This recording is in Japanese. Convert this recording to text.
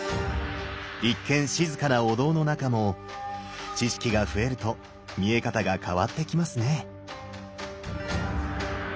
一見静かなお堂の中も知識が増えると見え方が変わってきますね。